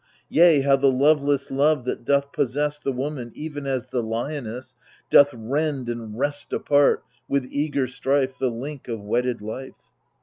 Yea, how the loveless love that doth possess The woman, even as the lioness, Doth rend and wrest apart, with eager strife. The link of wedded life